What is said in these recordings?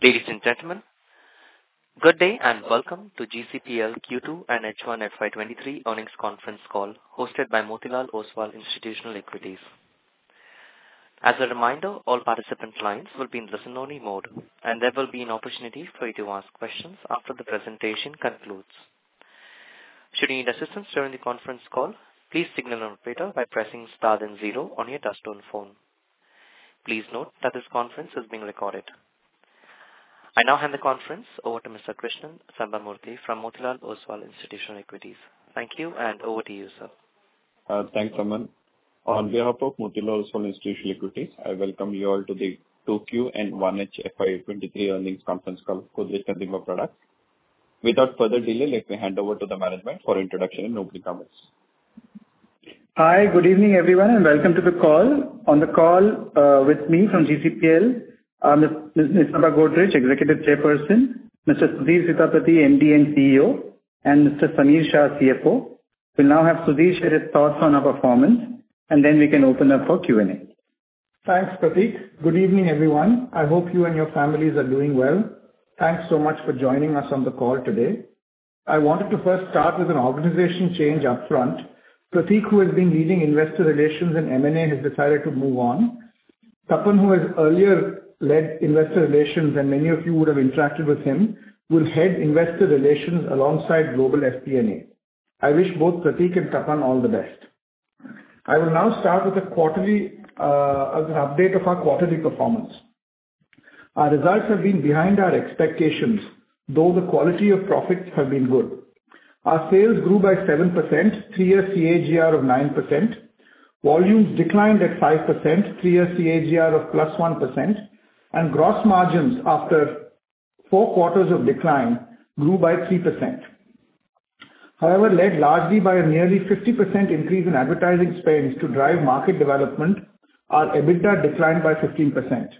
Ladies and gentlemen, good day and welcome to GCPL Q2 and H1 FY 2023 earnings conference call hosted by Motilal Oswal Institutional Equities. As a reminder, all participant lines will be in listen only mode, and there will be an opportunity for you to ask questions after the presentation concludes. Should you need assistance during the conference call, please signal an operator by pressing star then zero on your touchtone phone. Please note that this conference is being recorded. I now hand the conference over to Mr. Krishnan Sambamoorthy from Motilal Oswal Institutional Equities. Thank you and over to you, sir. Thanks, Aman. On behalf of Motilal Oswal Institutional Equities, I welcome you all to the 2Q and 1H FY 2023 earnings conference call Godrej Consumer Products. Without further delay, let me hand over to the management for introduction and opening comments. Hi, good evening, everyone, and welcome to the call. On the call, with me from GCPL, is Ms. Nisaba Godrej, Executive Chairperson, Mr. Sudhir Sitapati, MD & CEO, and Mr. Sameer Shah, CFO. We'll now have Sudhir share his thoughts on our performance, and then we can open up for Q&A. Thanks, Pratik. Good evening, everyone. I hope you and your families are doing well. Thanks so much for joining us on the call today. I wanted to first start with an organizational change up front. Pratik, who has been leading Investor Relations and M&A, has decided to move on. Tapan, who has earlier led Investor Relations, and many of you would have interacted with him, will head Investor Relations alongside global S&PA. I wish both Pratik and Tapan all the best. I will now start with a quarterly update of our quarterly performance. Our results have been behind our expectations, though the quality of profits have been good. Our sales grew by 7%, three-year CAGR of 9%. Volumes declined at 5%, three-year CAGR of +1%, and gross margins, after four quarters of decline, grew by 3%. However, led largely by a nearly 50% increase in advertising spends to drive market development, our EBITDA declined by 15%.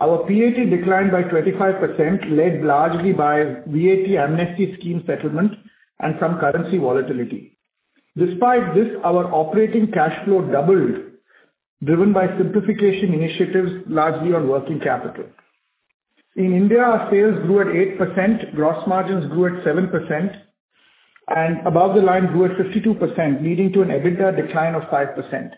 Our PAT declined by 25%, led largely by VAT amnesty scheme settlement and some currency volatility. Despite this, our operating cash flow doubled, driven by simplification initiatives largely on working capital. In India, our sales grew at 8%, gross margins grew at 7% and above the line grew at 52%, leading to an EBITDA decline of 5%.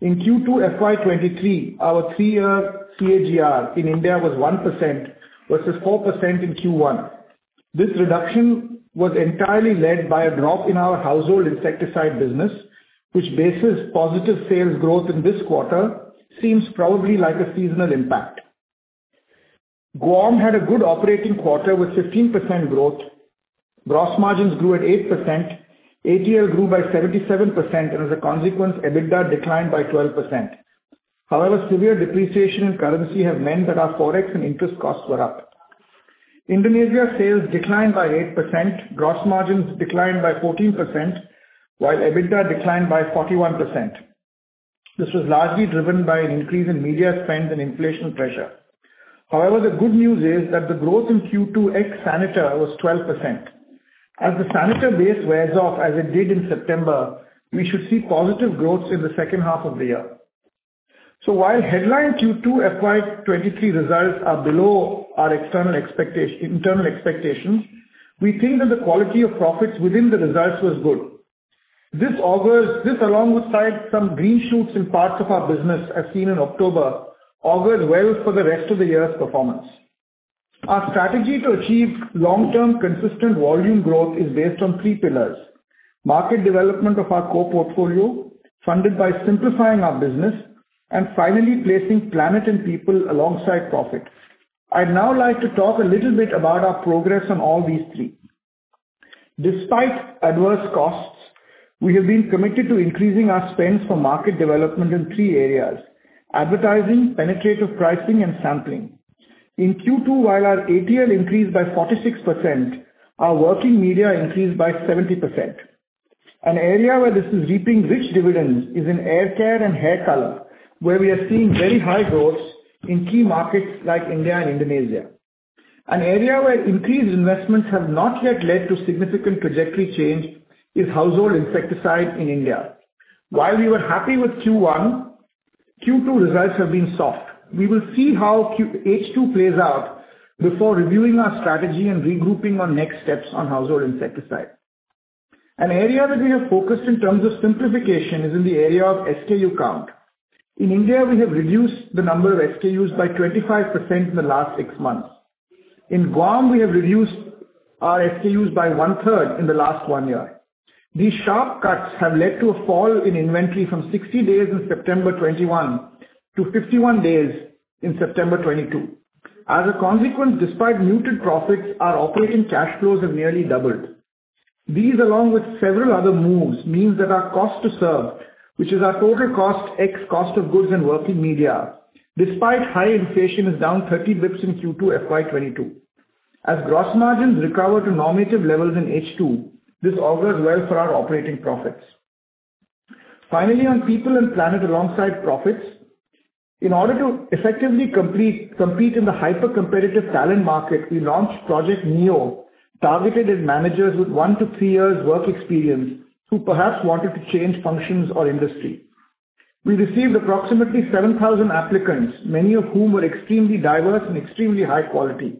In Q2 FY 2023, our 3-year CAGR in India was 1% versus 4% in Q1. This reduction was entirely led by a drop in our household insecticide business, which, based on positive sales growth in this quarter, seems probably like a seasonal impact. GAUM had a good operating quarter with 15% growth. Gross margins grew at 8%. A&P grew by 77% and as a consequence, EBITDA declined by 12%. However, severe depreciation in currency have meant that our Forex and interest costs were up. Indonesia sales declined by 8%. Gross margins declined by 14%, while EBITDA declined by 41%. This was largely driven by an increase in media spend and inflation pressure. However, the good news is that the growth in Q2 ex Saniter was 12%. As the Saniter base wears off, as it did in September, we should see positive growth in the H2 of the year. While headline Q2 FY 2023 results are below our external and internal expectations, we think that the quality of profits within the results was good. This, alongside some green shoots in parts of our business as seen in October, augurs well for the rest of the year's performance. Our strategy to achieve long-term consistent volume growth is based on three pillars, market development of our core portfolio, funded by simplifying our business, and finally placing planet and people alongside profit. I'd now like to talk a little bit about our progress on all these three. Despite adverse costs, we have been committed to increasing our spends for market development in three areas, advertising, penetrative pricing and sampling. In Q2, while our ATL increased by 46%, our working media increased by 70%. An area where this is reaping rich dividends is in haircare and hair color, where we are seeing very high growth in key markets like India and Indonesia. An area where increased investments have not yet led to significant trajectory change is household insecticide in India. While we were happy with Q1, Q2 results have been soft. We will see how H2 plays out before reviewing our strategy and regrouping on next steps on household insecticide. An area that we have focused in terms of simplification is in the area of SKU count. In India, we have reduced the number of SKUs by 25% in the last six months. In GAUM, we have reduced our SKUs by one-third in the last one year. These sharp cuts have led to a fall in inventory from 60 days in September 2021 to 51 days in September 2022. As a consequence, despite muted profits, our operating cash flows have nearly doubled. These, along with several other moves, means that our cost to serve, which is our total cost, ex cost of goods and working media, despite high inflation, is down 30 basis points in Q2 FY 2022. As gross margins recover to normative levels in H2, this augurs well for our operating profits. Finally, on people and planet alongside profits. In order to effectively compete in the hyper-competitive talent market, we launched Project Neo, targeted at managers with 1 to 3 years work experience who perhaps wanted to change functions or industry. We received approximately 7,000 applicants, many of whom were extremely diverse and extremely high quality.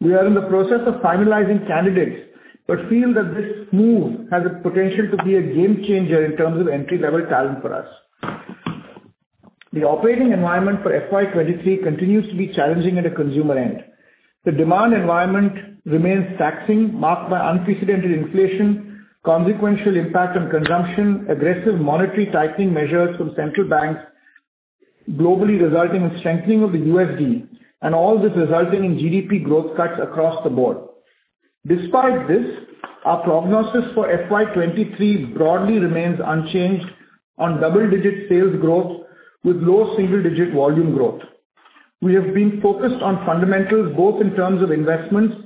We are in the process of finalizing candidates, but feel that this move has the potential to be a game changer in terms of entry-level talent for us. The operating environment for FY 2023 continues to be challenging at the consumer end. The demand environment remains taxing, marked by unprecedented inflation, consequential impact on consumption, aggressive monetary tightening measures from central banks globally resulting in strengthening of the US dollar and all this resulting in GDP growth cuts across the board. Despite this, our prognosis for FY 2023 broadly remains unchanged on double-digit sales growth with low single-digit volume growth. We have been focused on fundamentals both in terms of investments,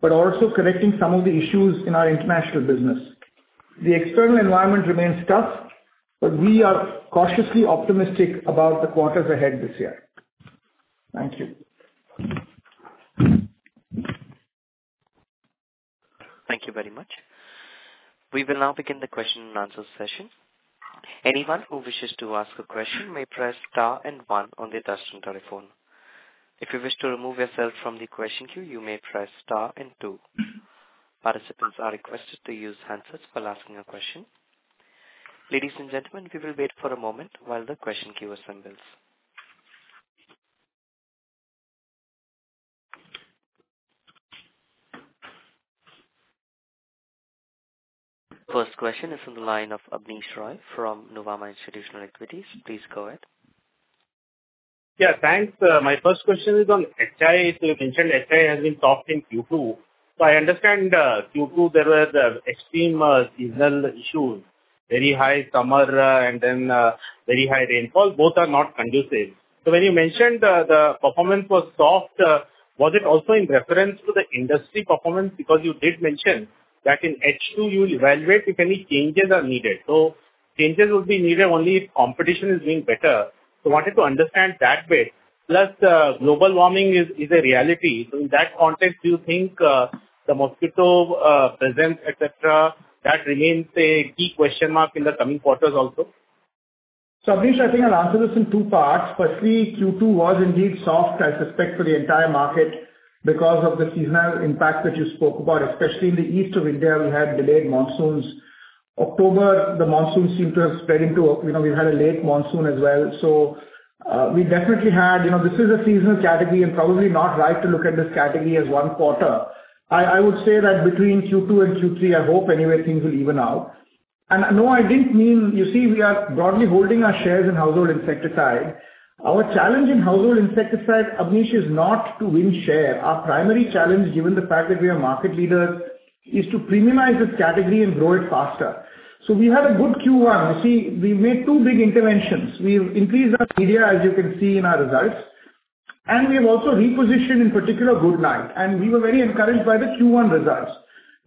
but also correcting some of the issues in our international business. The external environment remains tough, but we are cautiously optimistic about the quarters ahead this year. Thank you. Thank you very much. We will now begin the question and answer session. Anyone who wishes to ask a question may press star and one on their touchtone telephone. If you wish to remove yourself from the question queue, you may press star and two. Participants are requested to use handsets while asking a question. Ladies and gentlemen, we will wait for a moment while the question queue assembles. First question is from the line of Abneesh Roy from Edelweiss Institutional Equities. Please go ahead. Yeah, thanks. My first question is on HI. You mentioned HI has been soft in Q2. I understand Q2 there were the extreme seasonal issues, very high summer, and then very high rainfall. Both are not conducive. When you mentioned the performance was soft, was it also in reference to the industry performance? Because you did mention that in H2 you'll evaluate if any changes are needed. Changes would be needed only if competition is doing better. I wanted to understand that bit. Plus, global warming is a reality. In that context, do you think the mosquito presence, et cetera, that remains a key question mark in the coming quarters also? Abneesh, I think I'll answer this in two parts. Firstly, Q2 was indeed soft, I suspect, for the entire market because of the seasonal impact that you spoke about, especially in the east of India, we had delayed monsoons. October, the monsoons seemed to have spread into, you know, we had a late monsoon as well. We definitely had you know, this is a seasonal category and probably not right to look at this category as one quarter. I would say that between Q2 and Q3, I hope anyway things will even out. No, I didn't mean. You see, we are broadly holding our shares in household insecticide. Our challenge in household insecticide, Abneesh, is not to win share. Our primary challenge, given the fact that we are market leader, is to premiumize this category and grow it faster. We had a good Q1. You see, we made two big interventions. We increased our media, as you can see in our results, and we have also repositioned in particular Goodknight. We were very encouraged by the Q1 results.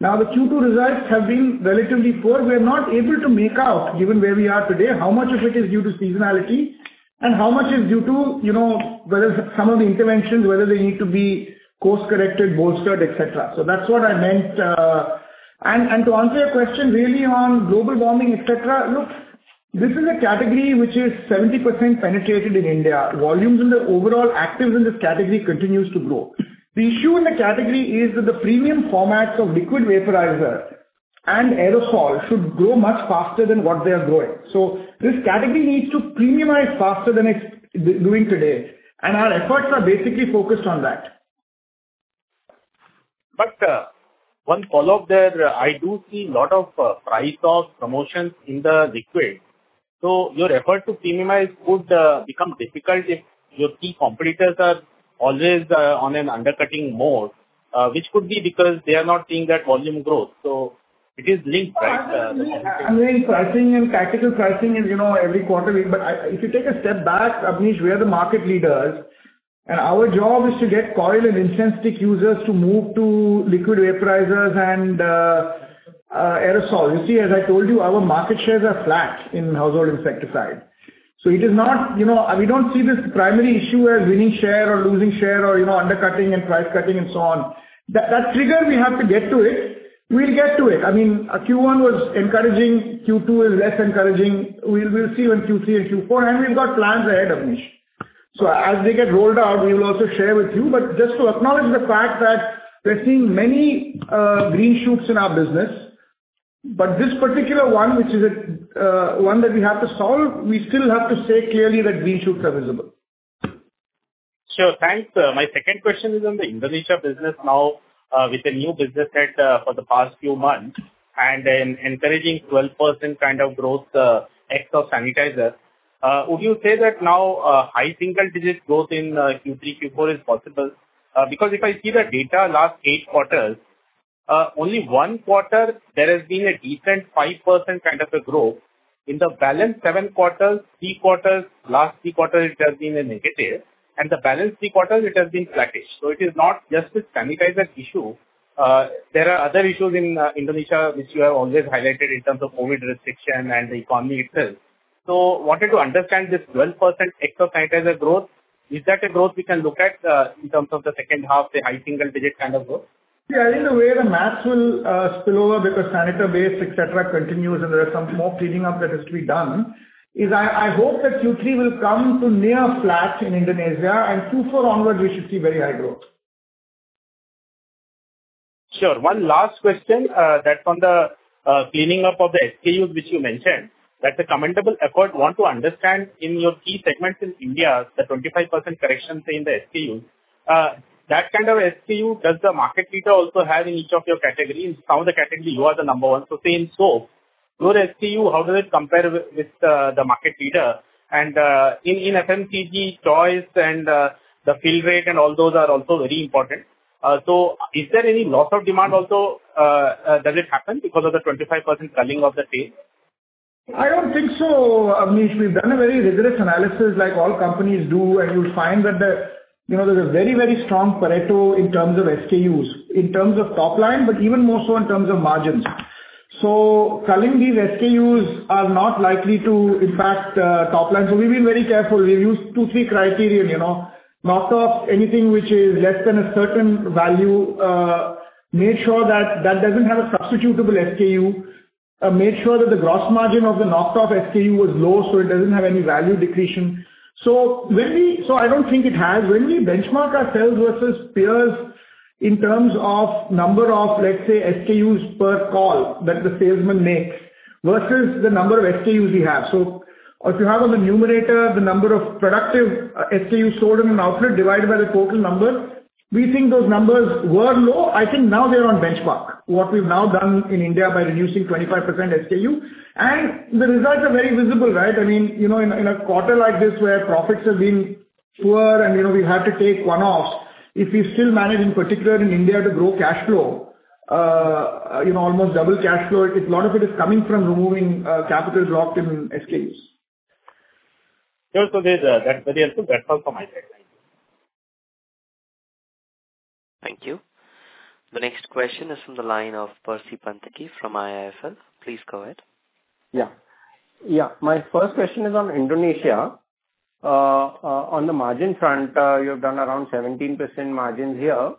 Now, the Q2 results have been relatively poor. We are not able to make out, given where we are today, how much of it is due to seasonality and how much is due to, you know, whether some of the interventions, whether they need to be course-corrected, bolstered, et cetera. So that's what I meant. To answer your question really on global warming, et cetera, look, this is a category which is 70% penetrated in India. Volumes in the overall actives in this category continues to grow. The issue in the category is that the premium formats of liquid vaporizer and aerosol should grow much faster than what they are growing. This category needs to premiumize faster than it's doing today, and our efforts are basically focused on that. One follow-up there. I do see a lot of price-off promotions in the liquid. Your effort to premiumize could become difficult if your key competitors are always on an undercutting mode, which could be because they are not seeing that volume growth. It is linked, right? The whole thing. I mean, pricing and tactical pricing is, you know, every quarter. If you take a step back, Abneesh, we are the market leaders and our job is to get coil and incense stick users to move to liquid vaporizers and aerosol. You see, as I told you, our market shares are flat in household insecticide. It is not, you know. We don't see this primary issue as winning share or losing share or, you know, undercutting and price cutting and so on. That trigger, we have to get to it. We'll get to it. I mean, Q1 was encouraging. Q2 is less encouraging. We'll see when Q3 and Q4. We've got plans ahead, Abneesh. As they get rolled out, we will also share with you. Just to acknowledge the fact that we're seeing many green shoots in our business, but this particular one, which is a one that we have to solve, we still have to say clearly that green shoots are visible. Sure. Thanks. My second question is on the Indonesia business now, with a new business head, for the past few months and an encouraging 12% kind of growth, ex of Saniter. Would you say that now, high single digits growth in Q3, Q4 is possible? Because if I see the data last eight quarters, only one quarter there has been a decent 5% kind of a growth. In the balance seven quarters, three quarters, last three quarters it has been a negative, and the balance three quarters it has been flattish. It is not just a Saniter issue. There are other issues in Indonesia which you have always highlighted in terms of COVID restriction and the economy itself. Wanted to understand this 12% ex of Saniter growth. Is that a growth we can look at in terms of the H2, a high single digit kind of growth? Yeah, I think the way the math will spill over because Saniter waves, et cetera, continues, and there are some more cleaning up that has to be done, is I hope that Q3 will come to near flat in Indonesia and Q4 onwards we should see very high growth. Sure. One last question, that's on the cleaning up of the SKUs which you mentioned. That's a commendable effort. Want to understand in your key segments in India, the 25% correction say in the SKUs, that kind of SKU, does the market leader also have in each of your categories? In some of the categories you are the number one, so say in soap, your SKU, how does it compare with the market leader? In FMCG, choice and the fill rate and all those are also very important. Is there any loss of demand also, does it happen because of the 25% culling of the SKUs? I don't think so, Abneesh Roy. We've done a very rigorous analysis like all companies do, and you'll find that you know, there's a very, very strong Pareto in terms of SKUs, in terms of top line, but even more so in terms of margins. Culling these SKUs are not likely to impact top line. We've been very careful. We've used two, three criterion, you know. Knocked off anything which is less than a certain value, made sure that that doesn't have a substitutable SKU, made sure that the gross margin of the knocked-off SKU was low, so it doesn't have any value accretion. I don't think it has. When we benchmark ourselves versus peers in terms of number of, let's say, SKUs per call that the salesman makes versus the number of SKUs we have. If you have on the numerator the number of productive SKUs sold in an outlet divided by the total number, we think those numbers were low. I think now they're on benchmark, what we've now done in India by reducing 25% SKU. The results are very visible, right? I mean, you know, in a quarter like this where profits have been poor and, you know, we have to take one-offs, if we still manage, in particular in India, to grow cash flow, you know, almost double cash flow, a lot of it is coming from removing capital locked in SKUs. Sure. That's very helpful. That's all from my side. Thank you. Thank you. The next question is from the line of Percy Panthaki from IIFL. Please go ahead. Yeah, my first question is on Indonesia. On the margin front, you have done around 17% margins here.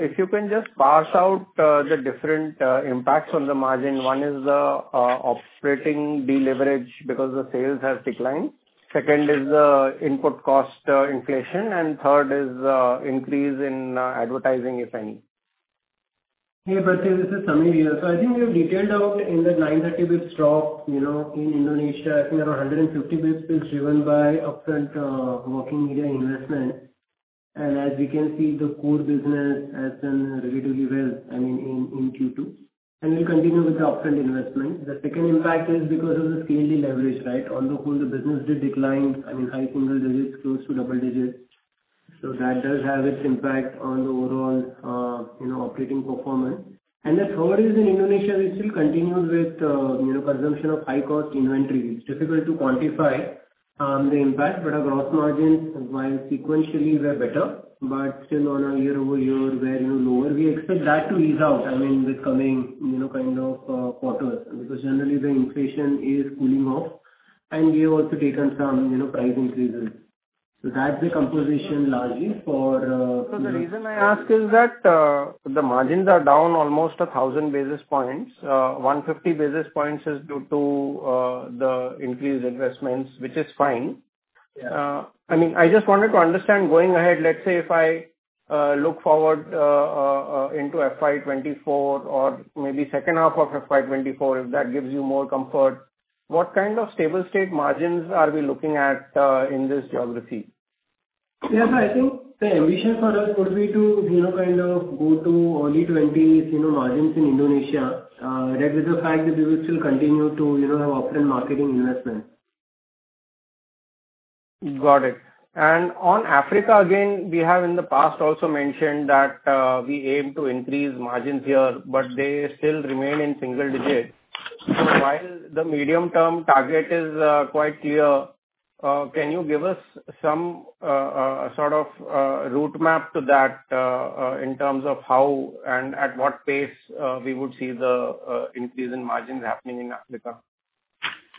If you can just parse out the different impacts on the margin. One is the operating deleverage because the sales have declined. Second is the input cost inflation, and third is increase in advertising, if any. Hey, Percy, this is Sameer here. I think we have detailed out in the 90 bps drop, you know, in Indonesia. I think around 150 bps is driven by upfront working media investment. As we can see, the core business has done relatively well, I mean, in Q2. We'll continue with the upfront investment. The second impact is because of the scale deleverage, right? On the whole, the business did decline. I mean, high single digits, close to double digits. That does have its impact on the overall, you know, operating performance. The third is in Indonesia, it still continues with, you know, consumption of high-cost inventory. It's difficult to quantify the impact, but our gross margins, while sequentially were better, but still on a year-over-year were, you know, lower. We expect that to ease out, I mean, with coming, you know, kind of, quarters. Because generally the inflation is cooling off. We have also taken some, you know, price increases. That's the composition largely for. The reason I ask is that the margins are down almost 1,000 basis points. 150 basis points is due to the increased investments, which is fine. Yeah. I mean, I just wanted to understand going ahead, let's say if I look forward into FY 2024 or maybe H2 of FY 2024, if that gives you more comfort, what kind of stable state margins are we looking at in this geography? I think the ambition for us would be to, you know, kind of go to early 20s% margins in Indonesia, that with the fact that we would still continue to, you know, have upfront marketing investments. Got it. On Africa, again, we have in the past also mentioned that, we aim to increase margins here, but they still remain in single digits. While the medium-term target is quite clear, can you give us some sort of roadmap to that, in terms of how and at what pace we would see the increase in margins happening in Africa?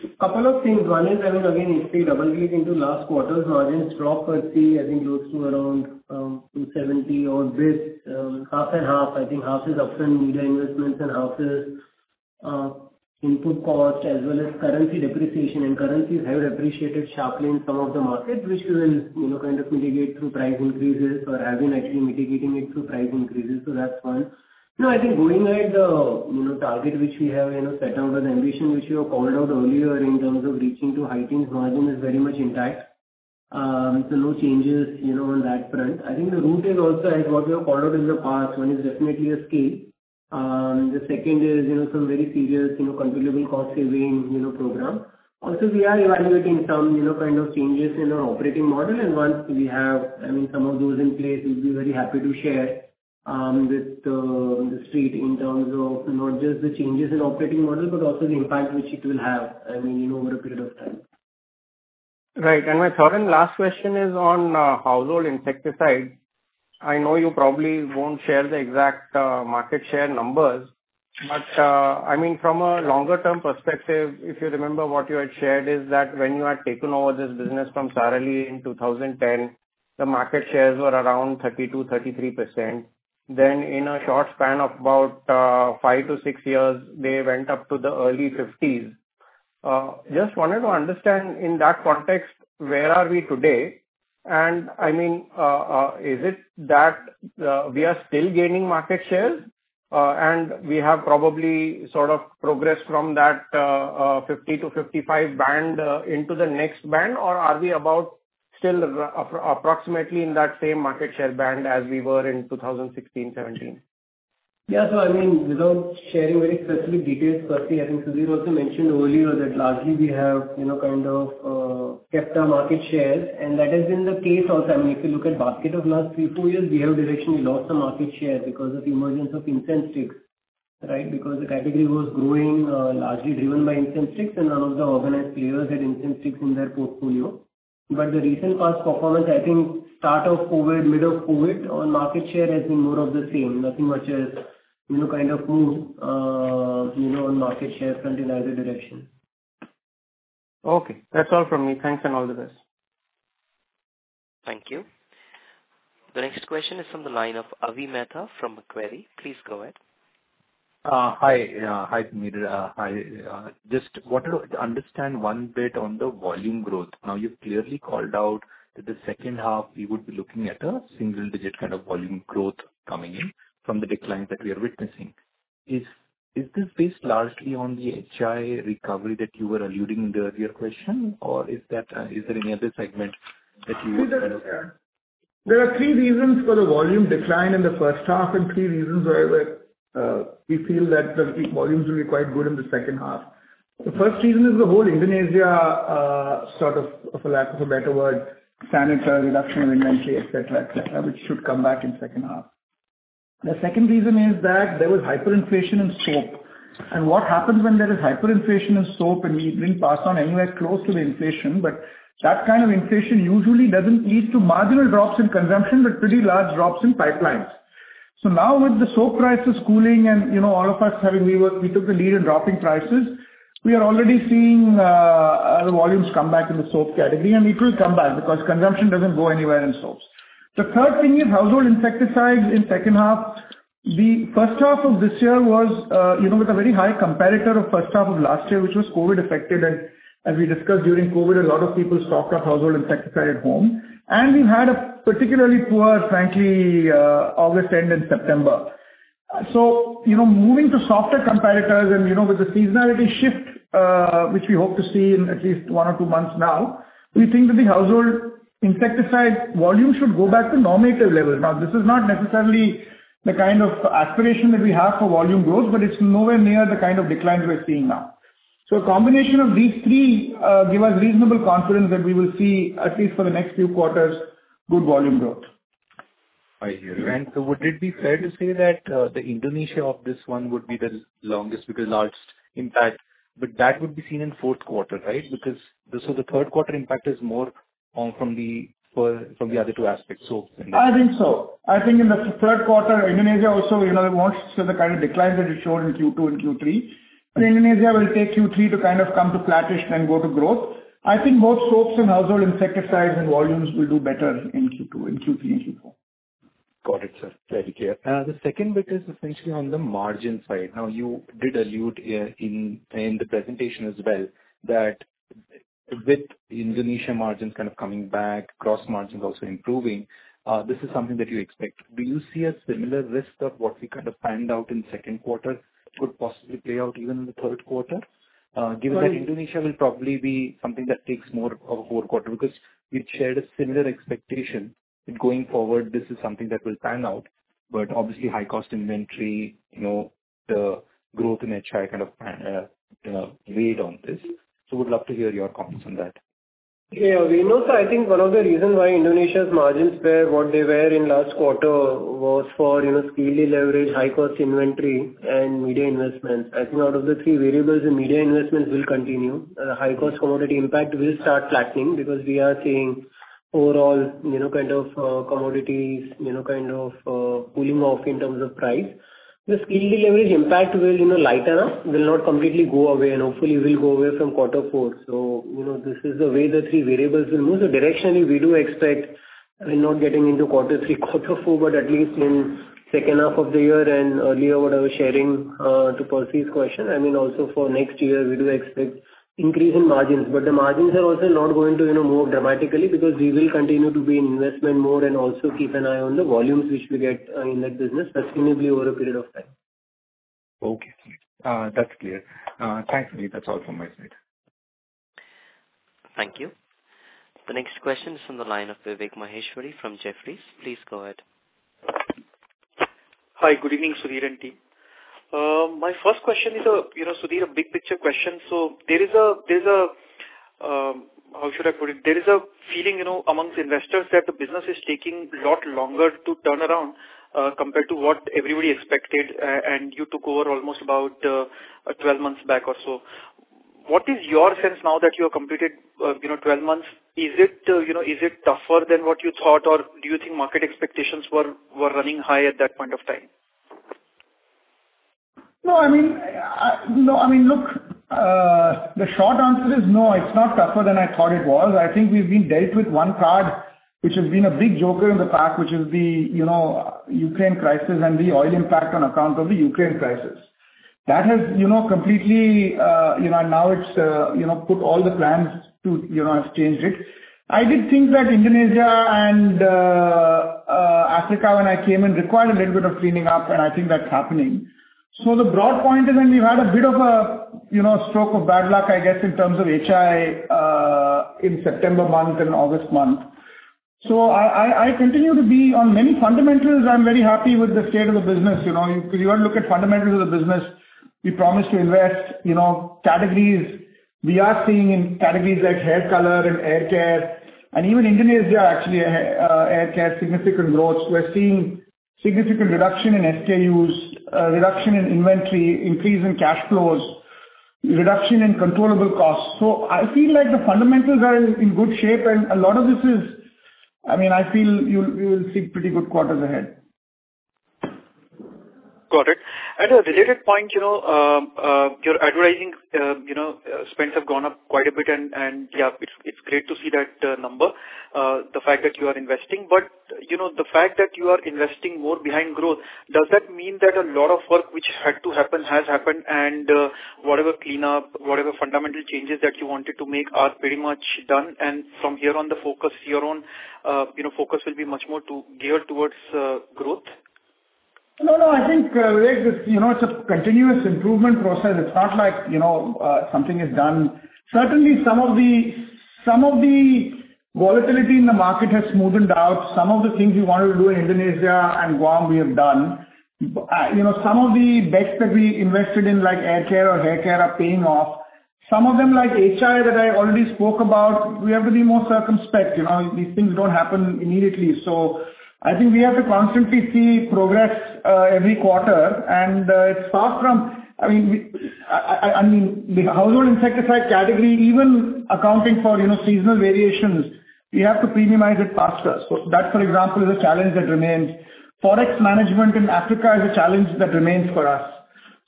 A couple of things. One is, I mean, again, if we double dig into last quarter's margins drop, Percy, I think close to around 270-odd bps, half and half. I think half is upfront media investments and half is input cost as well as currency depreciation. Currencies have appreciated sharply in some of the markets, which we will, you know, kind of mitigate through price increases or have been actually mitigating it through price increases. That's one. No, I think going ahead, the target which we have, you know, set out or the ambition which you have called out earlier in terms of reaching to high teens margin is very much intact. No changes, you know, on that front. I think the route is also as what we have called out in the past. One is definitely a scale. The second is, you know, some very serious, you know, continual cost-saving, you know, program. Also, we are evaluating some, you know, kind of changes in our operating model. Once we have, I mean, some of those in place, we'll be very happy to share with the street in terms of not just the changes in operating model, but also the impact which it will have, I mean, you know, over a period of time. Right. My third and last question is on household insecticides. I know you probably won't share the exact market share numbers, but I mean, from a longer term perspective, if you remember what you had shared is that when you had taken over this business from Sara Lee in 2010, the market shares were around 30%-33%. In a short span of about 5-6 years, they went up to the early 50s%. Just wanted to understand in that context, where are we today? I mean, is it that we are still gaining market share, and we have probably sort of progressed from that 50%-55% band into the next band? Are we about still approximately in that same market share band as we were in 2016, 2017? Yeah. I mean, without sharing very specific details, Percy, I think Sudhir also mentioned earlier that largely we have, you know, kind of, kept our market share, and that has been the case also. I mean, if you look at basket of last 3-4 years, we have directionally lost the market share because of the emergence of incense sticks, right? Because the category was growing, largely driven by incense sticks, and none of the organized players had incense sticks in their portfolio. The recent past performance, I think start of COVID, middle of COVID, our market share has been more of the same. Nothing much has, you know, kind of moved, you know, on market share front in either direction. Okay, that's all from me. Thanks, and all the best. Thank you. The next question is from the line of Avi Mehta from Macquarie. Please go ahead. Hi, Sameer Shah. Just wanted to understand one bit on the volume growth. Now, you've clearly called out that the H2 we would be looking at a single-digit kind of volume growth coming in from the decline that we are witnessing. Is this based largely on the HI recovery that you were alluding to in the earlier question, or is there any other segment that you There are three reasons for the volume decline in the H1 and three reasons why we're we feel that the volumes will be quite good in the H2. The first reason is the whole Indonesia sort of, for lack of a better word, Saniter reduction in inventory, et cetera, which should come back in H2. The second reason is that there was hyperinflation in soap. What happens when there is hyperinflation in soap, and we didn't pass on anywhere close to the inflation, but that kind of inflation usually doesn't lead to marginal drops in consumption, but pretty large drops in pipelines. Now with the soap prices cooling and, you know, all of us. We took the lead in dropping prices, we are already seeing the volumes come back in the soap category. It will come back because consumption doesn't go anywhere in soaps. The third thing is household insecticides in H2. The H1 of this year was, you know, with a very high comparator of H1 of last year, which was COVID affected. As we discussed during COVID, a lot of people stocked up household insecticide at home. We had a particularly poor, frankly, August end and September. You know, moving to softer comparators and, you know, with the seasonality shift, which we hope to see in at least one or two months now, we think that the household insecticide volume should go back to normative levels. Now, this is not necessarily the kind of aspiration that we have for volume growth, but it's nowhere near the kind of declines we're seeing now. A combination of these three give us reasonable confidence that we will see, at least for the next few quarters, good volume growth. I hear you. Would it be fair to say that the Indonesian one would be the longest with the largest impact, but that would be seen in Q4, right? Because this is the Q3 impact is more from the other two aspects. I think so. I think in the Q3, Indonesia also, you know, wants to show the kind of declines that it showed in Q2 and Q3. Indonesia will take Q3 to kind of come to flattish then go to growth. I think both soaps and household insecticides and volumes will do better in Q3 and Q4. Got it, sir. Very clear. The second bit is essentially on the margin side. Now, you did allude, in the presentation as well that with Indonesia margins kind of coming back, gross margins also improving, this is something that you expect. Do you see a similar risk of what we kind of planned out in Q2 could possibly play out even in the Q3? Given that Indonesia will probably be something that takes more of a whole quarter, because you'd shared a similar expectation that going forward this is something that will pan out. Obviously high cost inventory, you know, the growth in HI kind of pan, you know, weighed on this. Would love to hear your comments on that. We know, sir, I think one of the reasons why Indonesia's margins were what they were in last quarter was for, you know, speedily leverage, high-cost inventory and media investments. I think out of the three variables, the media investments will continue. High-cost commodity impact will start flattening because we are seeing overall, you know, kind of, commodities, you know, kind of, cooling off in terms of price. The speedily leverage impact will, you know, lighten up, will not completely go away, and hopefully will go away from quarter four. This is the way the three variables will move. Directionally we do expect, I mean, not getting into quarter three, quarter four, but at least in H2 of the year and earlier, what I was sharing, to Percy's question, I mean, also for next year, we do expect increase in margins. The margins are also not going to, you know, move dramatically because we will continue to be in investment mode and also keep an eye on the volumes which we get, in that business sustainably over a period of time. Okay. That's clear. Thanks, Sameer. That's all from my side. Thank you. The next question is from the line of Vivek Maheshwari from Jefferies. Please go ahead. Hi. Good evening, Sudhir and team. My first question is, you know, Sudhir, a big picture question. There is a feeling, you know, amongst investors that the business is taking a lot longer to turn around, compared to what everybody expected. You took over almost about 12 months back or so. What is your sense now that you have completed, you know, 12 months? Is it, you know, is it tougher than what you thought or do you think market expectations were running high at that point of time? No, I mean, look, the short answer is no, it's not tougher than I thought it was. I think we've been dealt with one card, which has been a big joker in the pack, which is the, you know, Ukraine crisis and the oil impact on account of the Ukraine crisis. That has, you know, completely, you know, now it's, you know, put all the plans to, you know, has changed it. I did think that Indonesia and Africa when I came in required a little bit of cleaning up, and I think that's happening. The broad point is then you had a bit of a, you know, stroke of bad luck, I guess, in terms of HI in September month and August month. I continue to be on many fundamentals. I'm very happy with the state of the business. You know, if you want to look at fundamentals of the business, we promised to invest, you know, categories. We are seeing in categories like hair color and haircare, and even Indonesia actually, haircare, significant growth. We're seeing significant reduction in SKUs, reduction in inventory, increase in cash flows, reduction in controllable costs. I feel like the fundamentals are in good shape and a lot of this is. I mean, I feel you'll see pretty good quarters ahead. Got it. A related point, you know, your advertising, you know, spends have gone up quite a bit and, yeah, it's great to see that number, the fact that you are investing. You know, the fact that you are investing more behind growth, does that mean that a lot of work which had to happen has happened and, whatever cleanup, whatever fundamental changes that you wanted to make are pretty much done, and from here on, the focus here on, you know, focus will be much more to geared towards, growth? No, no, I think, Vivek, you know, it's a continuous improvement process. It's not like, you know, something is done. Certainly, some of the volatility in the market has smoothened out. Some of the things we wanted to do in Indonesia and GAUM we have done. You know, some of the bets that we invested in, like haircare, are paying off. Some of them, like HI that I already spoke about, we have to be more circumspect. You know, these things don't happen immediately. I think we have to constantly see progress every quarter. It starts from I mean the household insecticide category, even accounting for, you know, seasonal variations, we have to premiumize it faster. That, for example, is a challenge that remains. Forex management in Africa is a challenge that remains for us.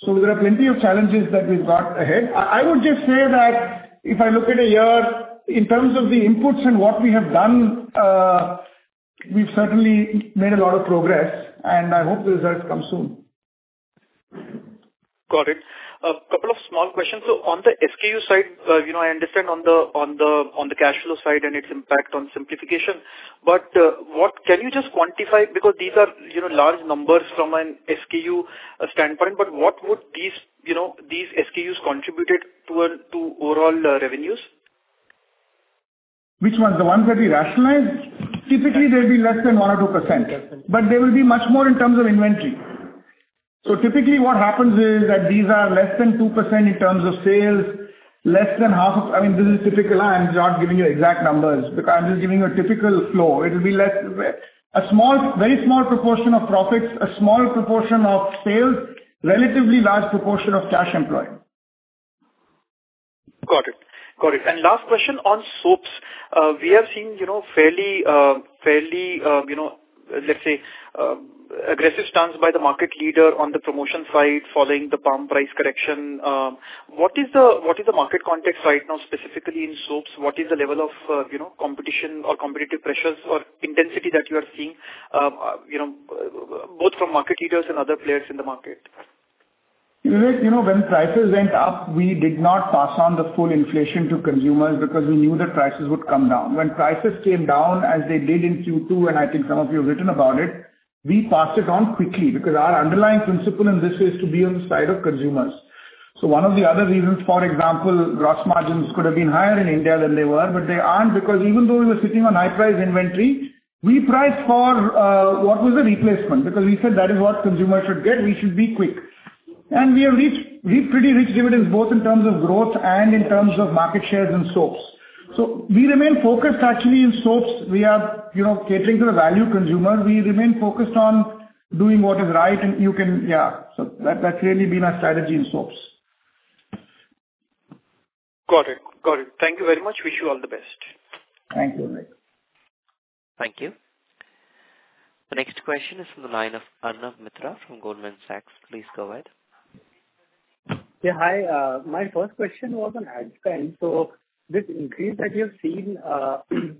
There are plenty of challenges that we've got ahead. I would just say that if I look at a year in terms of the inputs and what we have done, we've certainly made a lot of progress, and I hope the results come soon. Got it. A couple of small questions. On the SKU side, you know, I understand on the cash flow side and its impact on simplification, but can you just quantify, because these are, you know, large numbers from an SKU standpoint, but what would these, you know, these SKUs contributed to overall revenues? Which ones? The ones that we rationalized? Typically, they'll be less than 1% or 2%. Okay. They will be much more in terms of inventory. Typically what happens is that these are less than 2% in terms of sales, less than half, I mean, this is typical. I'm not giving you exact numbers. I'm just giving you a typical flow. It'll be less, a small, very small proportion of profits, a small proportion of sales, relatively large proportion of cash employed. Got it. Last question on soaps. We have seen, you know, fairly, you know, let's say, aggressive stance by the market leader on the promotion side following the palm oil price correction. What is the market context right now, specifically in soaps? What is the level of, you know, competition or competitive pressures or intensity that you are seeing, you know, both from market leaders and other players in the market? Vivek, you know, when prices went up, we did not pass on the full inflation to consumers because we knew that prices would come down. When prices came down, as they did in Q2, and I think some of you have written about it, we passed it on quickly because our underlying principle in this is to be on the side of consumers. One of the other reasons, for example, gross margins could have been higher in India than they were, but they aren't because even though we were sitting on high price inventory, we priced for what was the replacement because we said that is what consumers should get. We should be quick. We have reaped pretty rich dividends, both in terms of growth and in terms of market shares in soaps. We remain focused actually in soaps. We are, you know, catering to the value consumer. We remain focused on doing what is right and you can, yeah. That's really been our strategy in soaps. Got it. Thank you very much. Wish you all the best. Thank you, Vivek. Thank you. The next question is from the line of Arnab Mitra from Goldman Sachs. Please go ahead. Yeah, hi. My first question was on ad spend. This increase that you're seeing,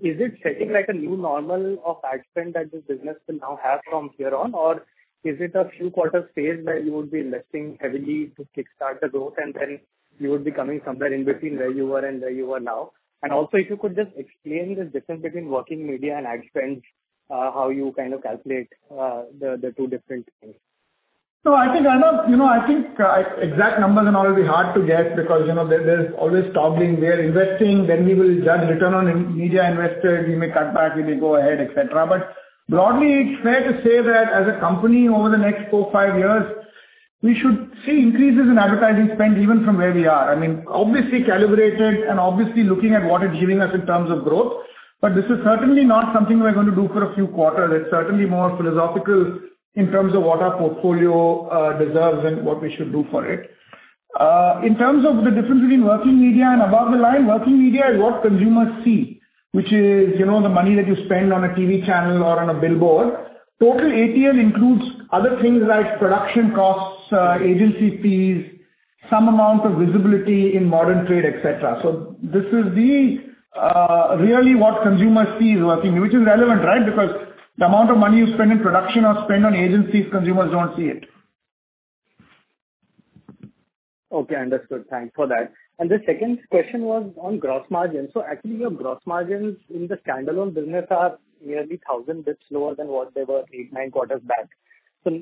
is it setting like a new normal of ad spend that this business will now have from here on? Or is it a few quarter phase where you will be investing heavily to kickstart the growth and then you will be coming somewhere in between where you were and where you are now? If you could just explain the difference between working media and ad spends, how you kind of calculate the two different things. I think, Arnab, I think exact numbers and all will be hard to get because there's always toggling. We are investing, then we will judge return on investment in media. We may cut back, we may go ahead, et cetera. Broadly, it's fair to say that as a company over the next four, five years, we should see increases in advertising spend even from where we are. I mean, obviously calibrated and obviously looking at what it's giving us in terms of growth. This is certainly not something we're gonna do for a few quarters. It's certainly more philosophical in terms of what our portfolio deserves and what we should do for it. In terms of the difference between working media and above-the-line, working media is what consumers see, which is, you know, the money that you spend on a TV channel or on a billboard. Total ATL includes other things like production costs, agency fees, some amount of visibility in modern trade, et cetera. This is really what consumers see is working, which is relevant, right? Because the amount of money you spend in production or spend on agencies, consumers don't see it. Okay, understood. Thanks for that. The second question was on gross margin. Actually, your gross margins in the standalone business are nearly 1,000 bps lower than what they were 8-9 quarters back.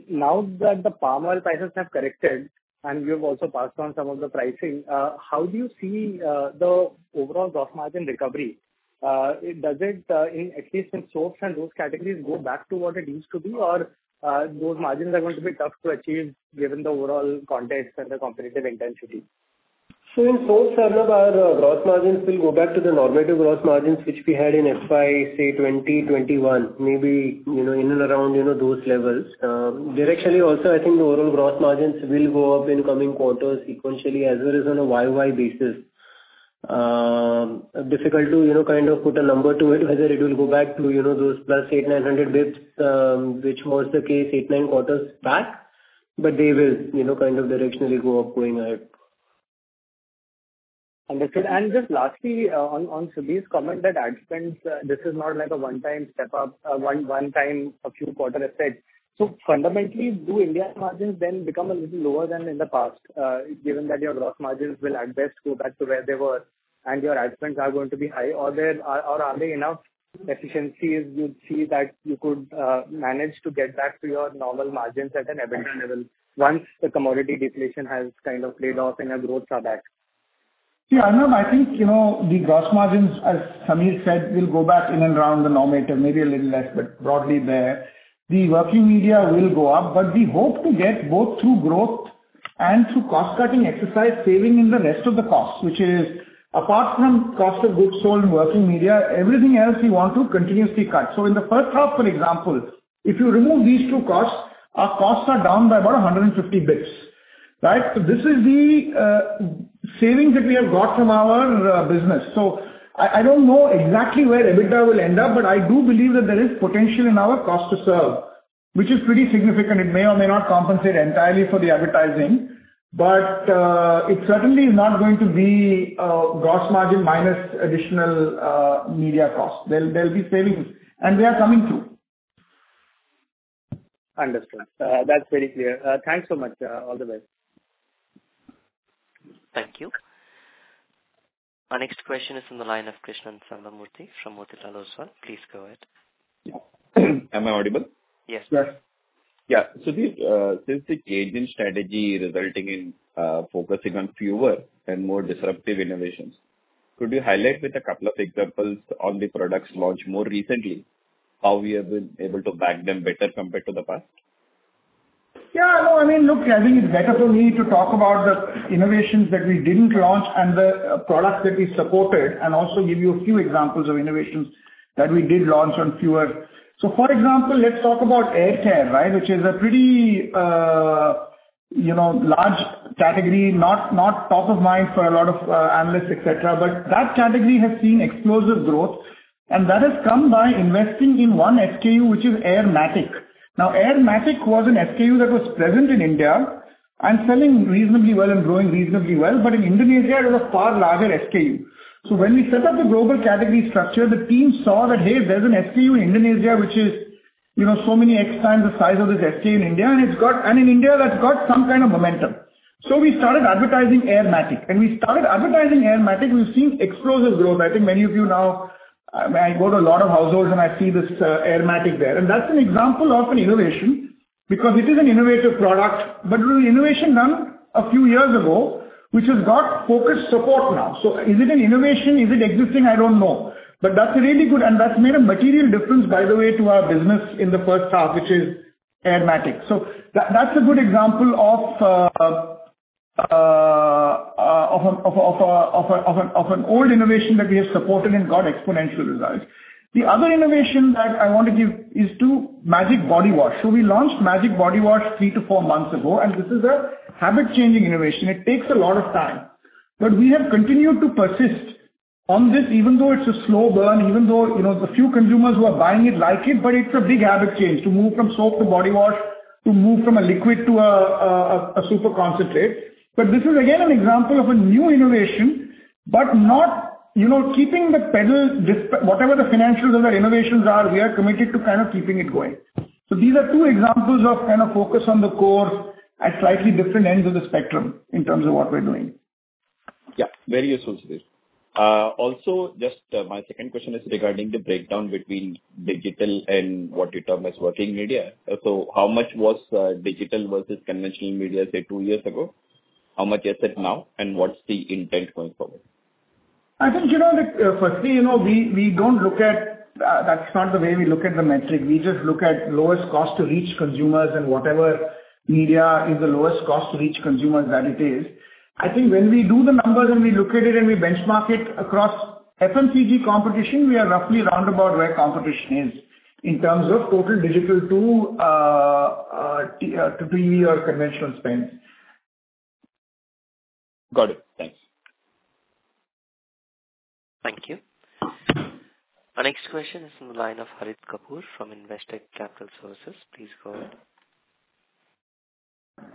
Now that the palm oil prices have corrected, and you've also passed on some of the pricing, how do you see the overall gross margin recovery? Does it, in at least in soaps and those categories, go back to what it used to be? Or, those margins are going to be tough to achieve given the overall context and the competitive intensity? In soaps, Arnab, our gross margins will go back to the normative gross margins which we had in FY 2021, maybe, you know, in and around, you know, those levels. Directionally also, I think the overall gross margins will go up in coming quarters sequentially as well as on a YOY basis. Difficult to, you know, kind of put a number to it, whether it will go back to, you know, those +800-900 basis points, which was the case 8-9 quarters back, but they will, you know, kind of directionally go up going ahead. Understood. Just lastly, on Sameer's comment that ad spends, this is not like a one-time step up, one-time few quarter effect. Fundamentally, do India margins then become a little lower than in the past, given that your gross margins will at best go back to where they were and your ad spends are going to be high? Or are there enough efficiencies you see that you could manage to get back to your normal margins at an EBITDA level once the commodity deflation has kind of played off and your growths are back? Yeah, Arnab, I think, you know, the gross margins, as Sameer said, will go back in and around the normal territory, maybe a little less, but broadly there. The working media will go up, but we hope to get both through growth and through cost-cutting exercise, saving in the rest of the costs, which is apart from cost of goods sold and working media, everything else we want to continuously cut. In the H1, for example, if you remove these two costs, our costs are down by about 150 basis points, right? This is the savings that we have got from our business. I don't know exactly where EBITDA will end up, but I do believe that there is potential in our cost to serve, which is pretty significant. It may or may not compensate entirely for the advertising, but it certainly is not going to be gross margin minus additional media costs. There'll be savings, and they are coming through. Understood. That's very clear. Thanks so much. All the best. Thank you. Our next question is from the line of Krishnan Sambamoorthy from Motilal Oswal. Please go ahead. Am I audible? Yes. Yes. Since the changing strategy resulting in focusing on fewer and more disruptive innovations, could you highlight with a couple of examples on the products launched more recently, how we have been able to back them better compared to the past? I mean, look, I think it's better for me to talk about the innovations that we didn't launch and the products that we supported, and also give you a few examples of innovations that we did launch in fewer. For example, let's talk about air care, right? Which is a pretty, you know, large category, not top of mind for a lot of analysts, et cetera. That category has seen explosive growth, and that has come by investing in one SKU, which is aer matic. Now, aer matic was an SKU that was present in India and selling reasonably well and growing reasonably well. But in Indonesia, it was a far larger SKU. When we set up the global category structure, the team saw that, hey, there's an SKU in Indonesia, which is, you know, so many x times the size of this SKU in India, and in India, that's got some kind of momentum. We started advertising aer matic. When we started advertising aer matic, we've seen explosive growth. I think many of you now. I go to a lot of households, and I see this, aer matic there. That's an example of an innovation because it is an innovative product. It was an innovation done a few years ago, which has got focused support now. Is it an innovation? Is it existing? I don't know. That's really good, and that's made a material difference, by the way, to our business in the H1, which is aer matic. That's a good example of an old innovation that we have supported and got exponential results. The other innovation that I want to give is to Magic Body Wash. We launched Magic Body Wash 3-4 months ago, and this is a habit-changing innovation. It takes a lot of time. We have continued to persist on this, even though it's a slow burn, even though, you know, the few consumers who are buying it like it, but it's a big habit change to move from soap to body wash, to move from a liquid to a super concentrate. This is again an example of a new innovation, but not, you know, whatever the financials of our innovations are, we are committed to kind of keeping it going. These are two examples of kind of focus on the core at slightly different ends of the spectrum in terms of what we're doing. Yeah. Very useful, Sudhir. Also, my second question is regarding the breakdown between digital and what you term as working media. How much was digital versus conventional media, say, two years ago? How much is it now, and what's the intent going forward? I think, you know, that firstly, you know, we don't look at. That's not the way we look at the metric. We just look at lowest cost to reach consumers and whatever media is the lowest cost to reach consumers that it is. I think when we do the numbers and we look at it and we benchmark it across FMCG competition, we are roughly around about where competition is in terms of total digital to your conventional spend. Got it. Thanks. Thank you. Our next question is from the line of Harit Kapoor from Investec Capital Services. Please go ahead.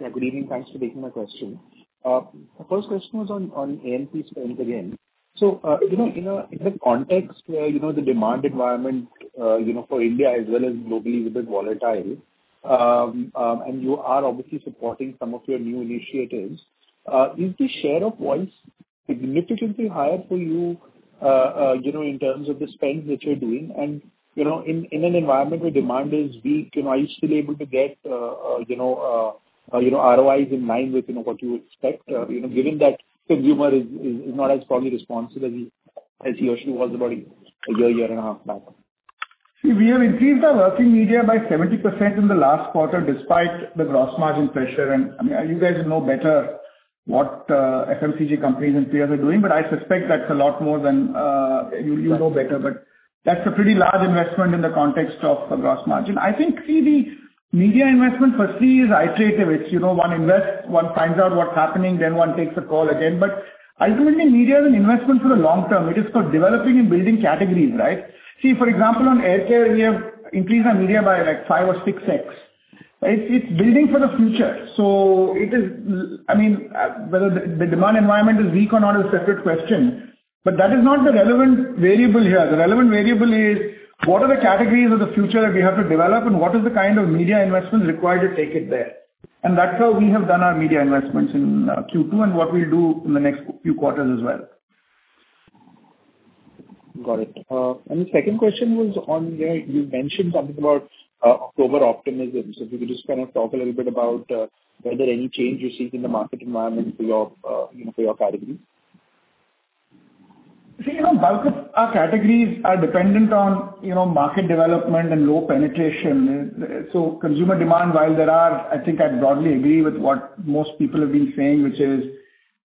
Yeah, good evening. Thanks for taking my question. First question was on A&P spend again. You know, in the context where you know the demand environment you know for India as well as globally a bit volatile. You are obviously supporting some of your new initiatives. Is the share of voice significantly higher for you you know in terms of the spend that you're doing? You know, in an environment where demand is weak, you know, are you still able to get you know ROIs in line with you know what you expect? You know, given that consumer is not as probably responsive as he or she was about a year and a half back. See, we have increased our working media by 70% in the last quarter despite the gross margin pressure. I mean, you guys know better what FMCG companies and peers are doing, but I suspect that's a lot more than you know better. That's a pretty large investment in the context of the gross margin. I think, see, the media investment firstly is iterative. It's, you know, one invests, one finds out what's happening, then one takes a call again. Ultimately, media is an investment for the long term. It is for developing and building categories, right? See, for example, on air care, we have increased our media by like 5x or 6x, right? It's building for the future. It is I mean whether the demand environment is weak or not is a separate question, but that is not the relevant variable here. The relevant variable is what are the categories of the future that we have to develop and what is the kind of media investment required to take it there? That's how we have done our media investments in Q2 and what we'll do in the next few quarters as well. Got it. The second question was on, yeah, you mentioned something about October optimism. If you could just kind of talk a little bit about whether any change you see in the market environment for your, you know, for your category. See, you know, bulk of our categories are dependent on, you know, market development and low penetration. Consumer demand, while there are, I think I broadly agree with what most people have been saying, which is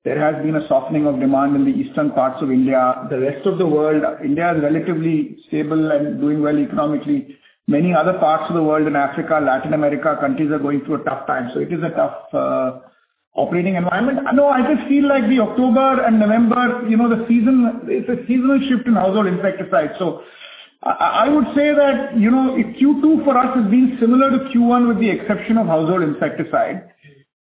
there has been a softening of demand in the eastern parts of India. The rest of the world. India is relatively stable and doing well economically. Many other parts of the world, in Africa, Latin America, countries are going through a tough time, so it is a tough, operating environment. No, I just feel like the October and November, you know, the season, it's a seasonal shift in household insecticides. I would say that, you know, if Q2 for us is being similar to Q1 with the exception of household insecticide,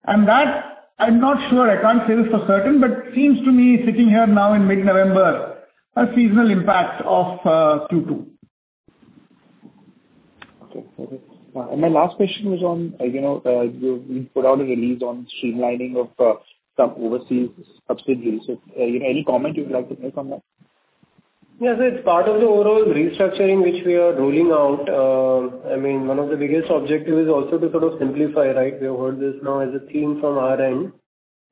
and that I'm not sure, I can't say this for certain, but seems to me sitting here now in mid-November, a seasonal impact of Q2. Okay. Got it. My last question was on, you know, you put out a release on streamlining of, some overseas subsidiaries. So, any comment you would like to make on that? Yes. It's part of the overall restructuring which we are rolling out. I mean, one of the biggest objective is also to sort of simplify, right? We have heard this now as a theme from our end,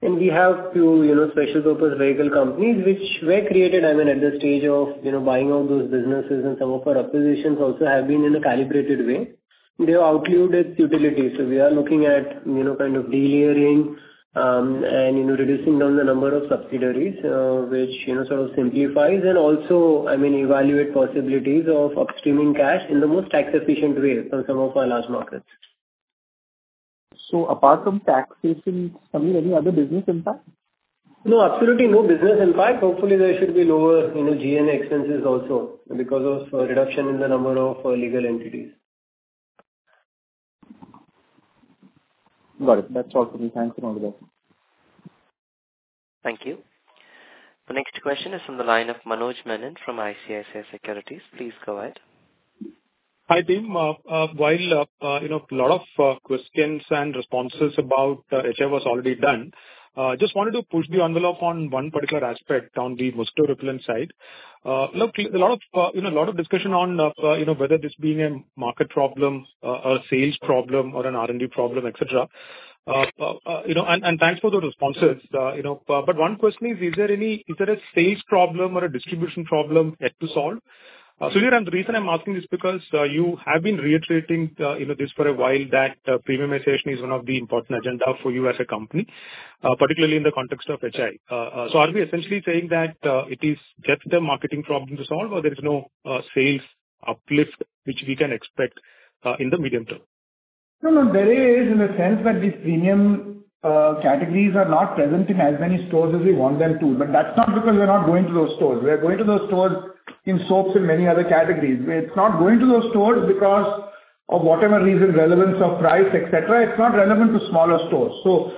and we have few, you know, special purpose vehicle companies which were created, I mean, at the stage of, you know, buying out those businesses and some of our acquisitions also have been in a calibrated way. They have outlived its utility. We are looking at, you know, kind of delayering, and, you know, reducing down the number of subsidiaries, which, you know, sort of simplifies and also, I mean, evaluate possibilities of upstreaming cash in the most tax-efficient way for some of our large markets. Apart from tax savings, I mean, any other business impact? No, absolutely no business impact. Hopefully there should be lower, you know, G&A expenses also because of reduction in the number of legal entities. Got it. That's all for me. Thanks a lot. Thank you. The next question is from the line of Manoj Menon from ICICI Securities. Please go ahead. Hi, team. While you know a lot of questions and responses about Hit was already done, just wanted to push the envelope on one particular aspect on the mosquito repellent side. Look, a lot of discussion on you know whether this being a market problem, a sales problem or an R&D problem, et cetera. You know, and thanks for the responses. You know, but one question is there a sales problem or a distribution problem yet to solve? Sudhir, and the reason I'm asking this because you have been reiterating you know this for a while, that premiumization is one of the important agenda for you as a company, particularly in the context of Hit. Are we essentially saying that it is just a marketing problem to solve or there is no sales uplift which we can expect in the medium term? No, there is in the sense that these premium categories are not present in as many stores as we want them to. That's not because we are not going to those stores. We are going to those stores in soaps and many other categories. It's not going to those stores because of whatever reason, relevance of price, et cetera. It's not relevant to smaller stores.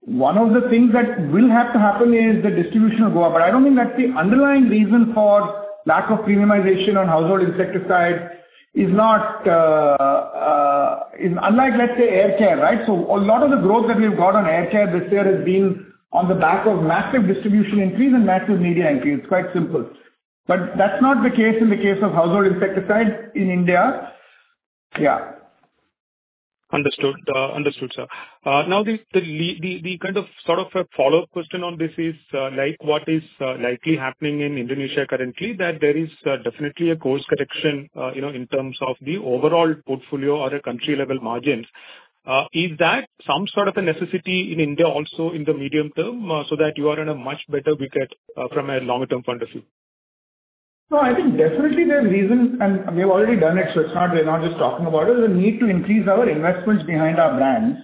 One of the things that will have to happen is the distribution will go up. I don't think that's the underlying reason for lack of premiumization on household insecticides is not unlike, let's say, air care, right? A lot of the growth that we've got on air care this year has been on the back of massive distribution increase and massive media increase. Quite simple. That's not the case in the case of household insecticides in India. Yeah. Understood. Understood, sir. Now the kind of, sort of a follow-up question on this is, like what is likely happening in Indonesia currently, that there is definitely a course correction, you know, in terms of the overall portfolio or a country level margins. Is that some sort of a necessity in India also in the medium term, so that you are in a much better wicket, from a longer term point of view. No, I think definitely there's reason, and we have already done it, so it's not we're not just talking about it. We need to increase our investments behind our brands.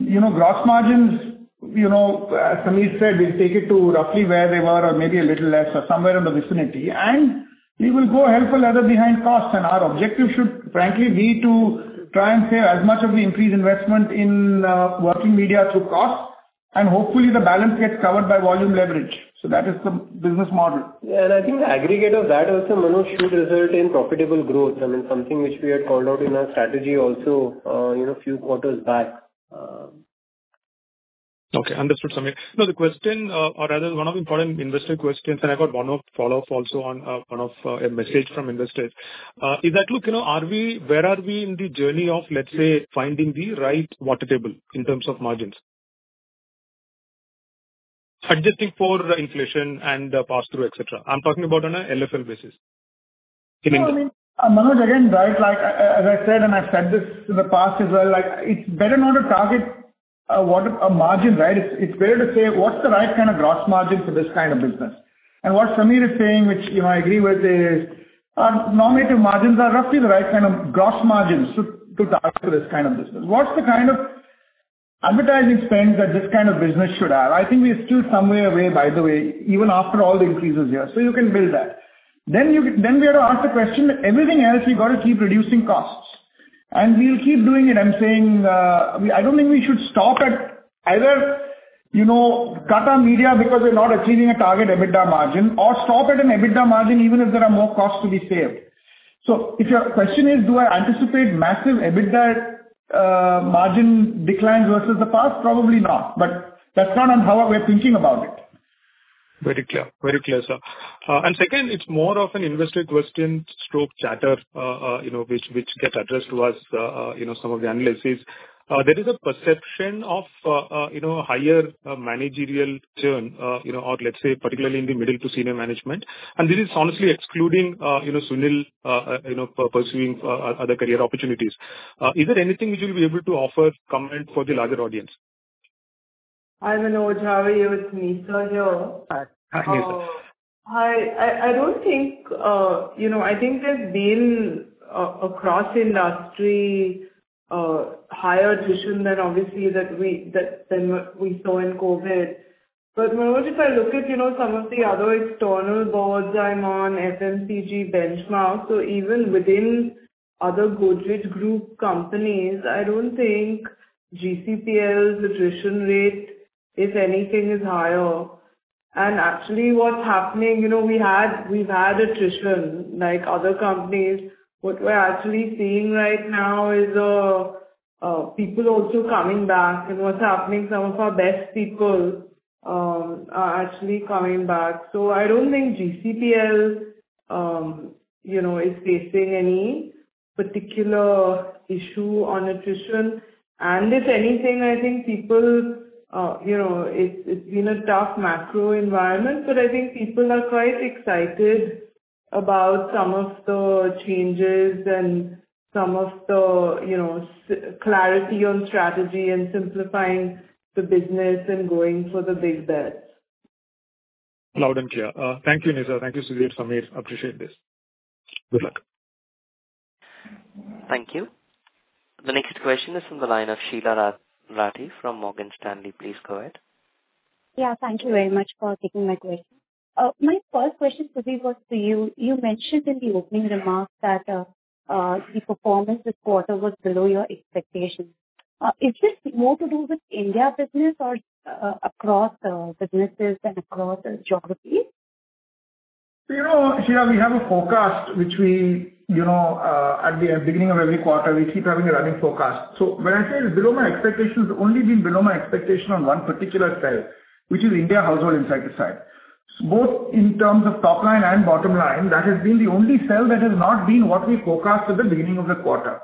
You know, gross margins, you know, as Sameer said, we'll take it to roughly where they were or maybe a little less or somewhere in the vicinity, and we will go hell for leather behind costs. Our objective should frankly be to try and save as much of the increased investment in working media through costs, and hopefully the balance gets covered by volume leverage. That is the business model. Yeah. I think the aggregate of that also, Manoj, should result in profitable growth. I mean, something which we had called out in our strategy also, you know, few quarters back. Okay. Understood, Sameer. Now the question, or rather one of the important investor questions, and I got one-off follow-up also on one of the messages from investors, is that: Look, you know, where are we in the journey of, let's say, finding the right water level in terms of margins? Adjusting for inflation and passthrough, et cetera. I'm talking about on a LFL basis. Manoj, again, right, like, as I said, and I've said this in the past as well, like, it's better not to target a margin, right? It's better to say what's the right kind of gross margin for this kind of business. What Sameer is saying, which, you know, I agree with, is our normative margins are roughly the right kind of gross margins to target for this kind of business. What's the kind of advertising spend that this kind of business should have? I think we're still some way away, by the way, even after all the increases here. So you can build that. Then we have to ask the question, everything else, we've got to keep reducing costs. We'll keep doing it. I'm saying, I don't think we should stop at either, you know, cut on media because we're not achieving a target EBITDA margin or stop at an EBITDA margin even if there are more costs to be saved. If your question is, do I anticipate massive EBITDA margin declines versus the past? Probably not. That's not on how we're thinking about it. Very clear, sir. Second, it's more of an investor question stroke chatter, you know, which get addressed to us, you know, some of the analysts. There is a perception of, you know, higher managerial churn, you know, or let's say particularly in the middle to senior management, and this is honestly excluding, you know, Sunil, you know, pursuing other career opportunities. Is there anything which you'll be able to offer comment for the larger audience? Hi, Manoj. Are you with me? Nisaba here. Hi. Hi, Nisaba. Hi. I don't think you know I think there's been across industry higher attrition than obviously that we saw in COVID. Manoj, if I look at some of the other external boards I'm on, FMCG benchmarks or even within other Godrej Group companies, I don't think GCPL's attrition rate, if anything, is higher. Actually, what's happening we had, we've had attrition like other companies. What we're actually seeing right now is people also coming back and what's happening, some of our best people are actually coming back. I don't think GCPL is facing any particular issue on attrition. If anything, I think people, you know, it's been a tough macro environment, but I think people are quite excited about some of the changes and some of the, you know, strategic clarity on strategy and simplifying the business and going for the big bets. Loud and clear. Thank you, Nisaba. Thank you, Sudhir, Sameer. Appreciate this. Good luck. Thank you. The next question is from the line of Sheela Rathi from Morgan Stanley. Please go ahead. Yeah, thank you very much for taking my question. My first question, Sudhir, was to you. You mentioned in the opening remarks that the performance this quarter was below your expectations. Is this more to do with India business or across businesses and across geographies? You know, Sheela, we have a forecast which we, you know, at the beginning of every quarter, we keep having a running forecast. So when I say below my expectations, only been below my expectation on one particular sale, which is India household insecticide. Both in terms of top line and bottom line, that has been the only sale that has not been what we forecast at the beginning of the quarter.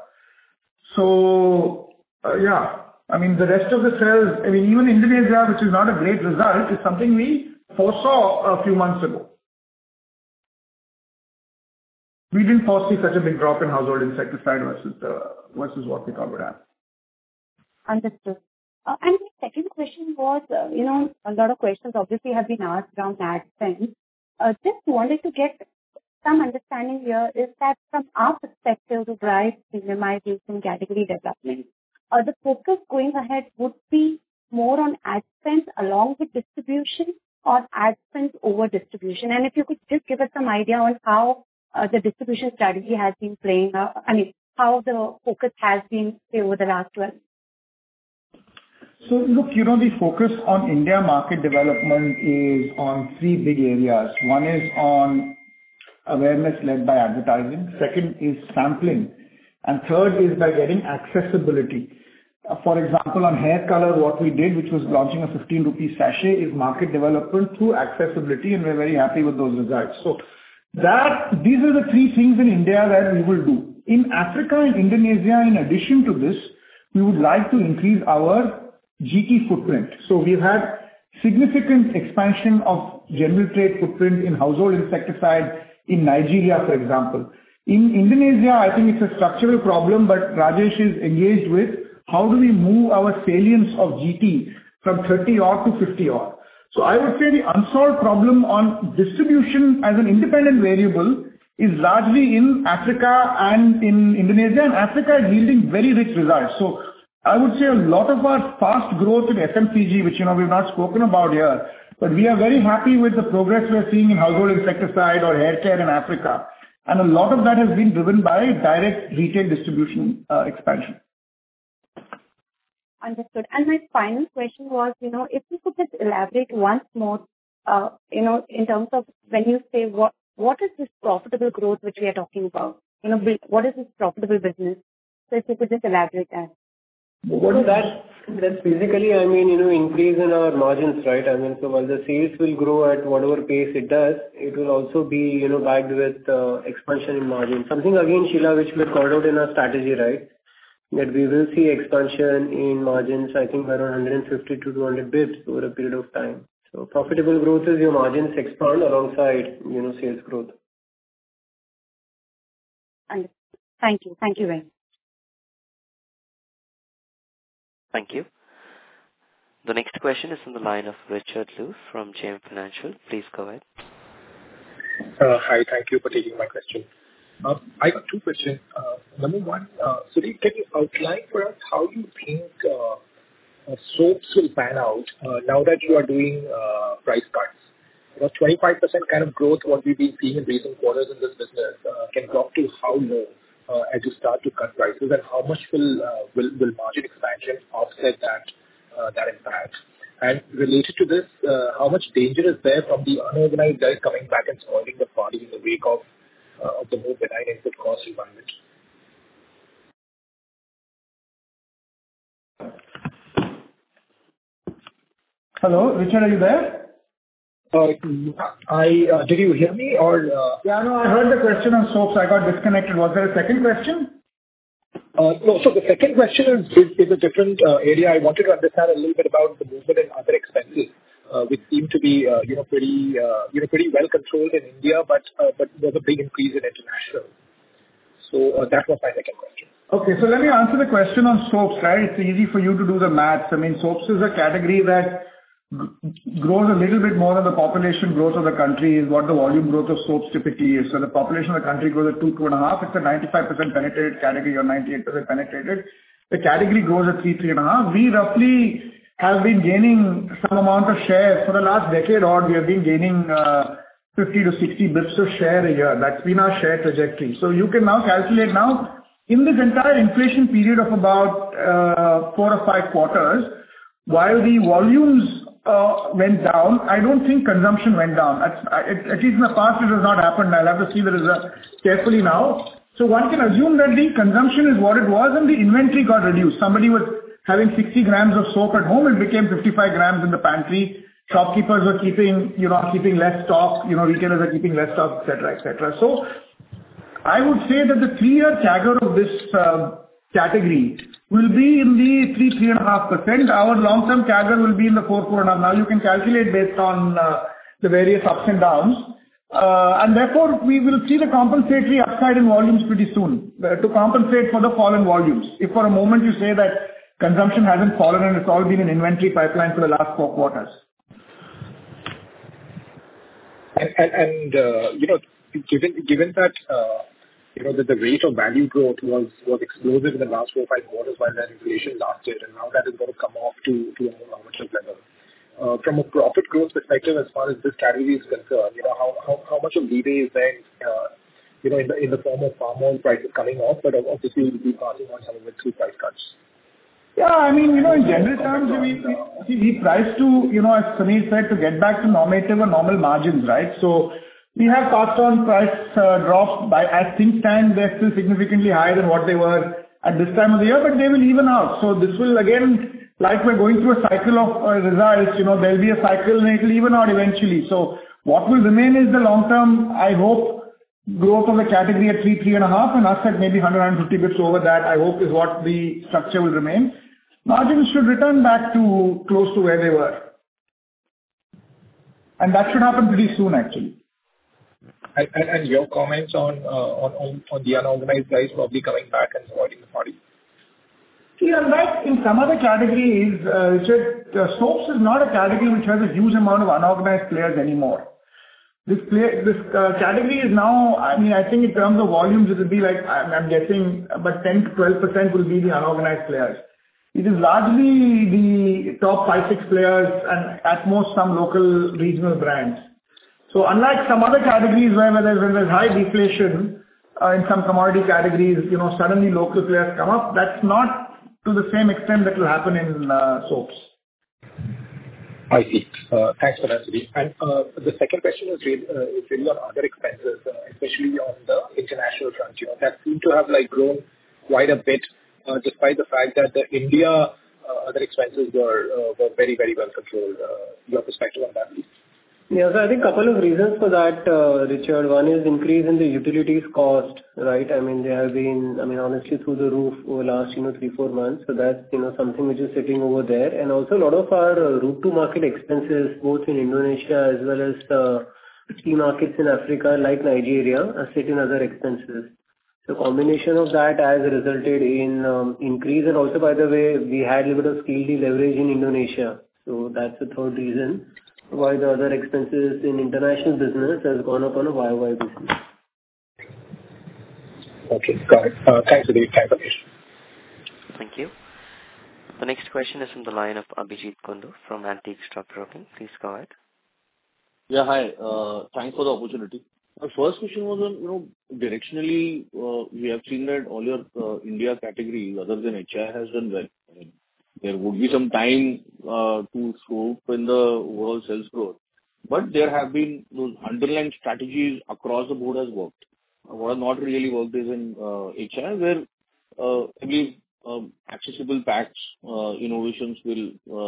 So yeah, I mean, the rest of the sales, I mean, even Indonesia, which is not a great result, is something we foresaw a few months ago. We didn't foresee such a big drop in household insecticide versus what we thought would happen. Understood. The second question was, you know, a lot of questions obviously have been asked around ad spend. Just wanted to get some understanding here is that from our perspective, right, minimizing category development, the focus going ahead would be more on ad spend along with distribution or ad spend over distribution. If you could just give us some idea on how, the distribution strategy has been playing out. I mean, how the focus has been say over the last one. Look, you know, the focus on India market development is on three big areas. One is on awareness led by advertising, second is sampling, and third is by getting accessibility. For example, on hair color, what we did, which was launching a 15 rupee sachet, is market development through accessibility, and we're very happy with those results. These are the three things in India that we will do. In Africa and Indonesia, in addition to this, we would like to increase our GT footprint. We've had significant expansion of general trade footprint in household insecticides in Nigeria, for example. In Indonesia, I think it's a structural problem, but Rajesh is engaged with how do we move our salience of GT from 30-odd to 50-odd. I would say the unsolved problem on distribution as an independent variable is largely in Africa and in Indonesia, and Africa is yielding very rich results. I would say a lot of our fast growth in SMPG, which, you know, we've not spoken about here, but we are very happy with the progress we are seeing in household insecticide or haircare in Africa. A lot of that has been driven by direct retail distribution expansion. Understood. My final question was, you know, if you could just elaborate once more, you know, in terms of when you say what is this profitable growth which we are talking about? You know, what is this profitable business? If you could just elaborate that? What is that? That's basically, I mean, you know, increase in our margins, right? I mean, while the sales will grow at whatever pace it does, it will also be, you know, backed with expansion in margin. Something again, Sheela, which we had called out in our strategy, right? That we will see expansion in margins, I think around 150-200 basis points over a period of time. Profitable growth is your margins expand alongside, you know, sales growth. Understood. Thank you. Thank you, Venk. Thank you. The next question is on the line of Richard Liu from JM Financial. Please go ahead. Hi. Thank you for taking my question. I got two questions. Number one, Sudhir, can you outline for us how you think soaps will pan out now that you are doing price cuts? You know, 25% kind of growth, what we've been seeing in recent quarters in this business, can talk to how low as you start to cut prices and how much will margin expansion offset that impact. Related to this, how much danger is there from the unorganized guys coming back and spoiling the party in the wake of the move that is input cost reduction? Hello, Richard, are you there? Did you hear me or? Yeah. No, I heard the question on soaps. I got disconnected. Was there a second question? No. The second question is a different area. I wanted to understand a little bit about the movement in other expenses, which seem to be, you know, pretty well controlled in India, but there's a big increase in international. That was my second question. Okay. Let me answer the question on soaps, right? It's easy for you to do the math. I mean, soaps is a category that grows a little bit more than the population growth of the country is what the volume growth of soaps typically is. The population of the country grows at 2%-2.5%. It's a 95% penetrated category or 98% penetrated. The category grows at 3%-3.5%. We roughly have been gaining some amount of share. For the last decade odd, we have been gaining 50-60 basis points of share a year. That's been our share trajectory. You can now calculate in this entire inflation period of about four or five quarters, while the volumes went down, I don't think consumption went down. At least in the past it has not happened. I'll have to see the result carefully now. One can assume that the consumption is what it was and the inventory got reduced. Somebody was having 60 grams of soap at home, it became 55 grams in the pantry. Shopkeepers were keeping, you know, less stock, you know, retailers were keeping less stock, et cetera, et cetera. I would say that the three-year CAGR of this category will be in the 3%-3.5%. Our long-term CAGR will be in the 4%-4.5%. Now you can calculate based on the various ups and downs. Therefore we will see the compensatory upside in volumes pretty soon to compensate for the fallen volumes. If for a moment you say that consumption hasn't fallen and it's all been an inventory pipeline for the last four quarters. Given that, you know, that the rate of value growth was explosive in the last four or five quarters while that inflation lasted, and now that is gonna come off to a more rational level. From a profit growth perspective, as far as this category is concerned, you know, how much of leeway is there, you know, in the form of farm prices coming off, but obviously you will be passing on some of it through price cuts? I mean, you know, in general terms, I mean, we price to, you know, as Sunil said, to get back to normative or normal margins, right? We have passed on price drops. By this time they're still significantly higher than what they were at this time of the year, but they will even out. This will again, like we're going through a cycle of results, you know, there'll be a cycle and it'll even out eventually. What will remain is the long-term, I hope growth of the category at 3%-3.5%, and I said maybe 150 bps over that, I hope is what the structure will remain. Margins should return back to close to where they were. That should happen pretty soon actually. Your comments on the unorganized guys probably coming back and spoiling the party. See, unlike in some other categories, Richard, soaps is not a category which has a huge amount of unorganized players anymore. This category is now, I mean, I think in terms of volumes, it'll be like, I'm guessing about 10%-12% will be the unorganized players. It is largely the top five, six players and at most some local regional brands. Unlike some other categories where there's high deflation in some commodity categories, you know, suddenly local players come up. That's not to the same extent that will happen in soaps. I see. Thanks for that, Sudhi. The second question is really on other expenses, especially on the international front. You know, that seem to have like grown quite a bit, despite the fact that the Indian other expenses were very, very well controlled, your perspective on that, please. Yeah. I think a couple of reasons for that, Richard. One is increase in the utilities cost, right? I mean, they have been, I mean, honestly through the roof over the last, you know, three, four months. That's, you know, something which is sitting over there. And also a lot of our route to market expenses, both in Indonesia as well as key markets in Africa like Nigeria are sitting other expenses. The combination of that has resulted in increase and also by the way, we had a little bit of FX leverage in Indonesia. That's the third reason why the other expenses in international business has gone up on a YOY basis. Okay, got it. Thanks, Sudhir. Thanks, Sameer. Thank you. The next question is from the line of Abhijeet Kundu from Antique Stock Broking. Please go ahead. Yeah, hi. Thanks for the opportunity. My first question was on, you know, directionally, we have seen that all your India categories other than HI has done well. There would be some time to scope in the overall sales growth. But there have been those underlying strategies across the board has worked. What has not really worked is in HI, where, I mean, accessible packs innovations will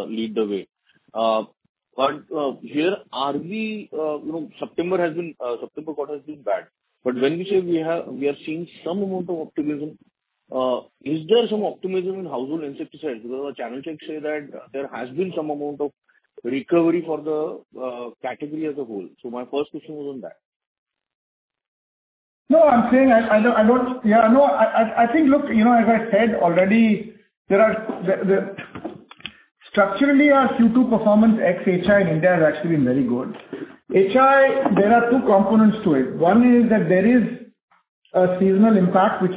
lead the way. But where are we, you know, September has been, September quarter has been bad. But when we say we are seeing some amount of optimism, is there some optimism in household insecticides? Because our channel checks say that there has been some amount of recovery for the category as a whole. So my first question was on that. No, I'm saying I don't. Yeah, I know. I think, look, you know, as I said already, there are the. Structurally, our Q2 performance ex-HI in India has actually been very good. HI, there are two components to it. One is that there is a seasonal impact, which,